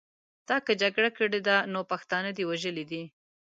تا که جګړه کړې ده نو پښتانه دې وژلي دي.